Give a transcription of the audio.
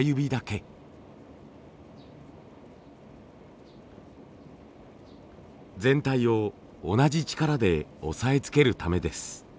全体を同じ力で押さえつけるためです。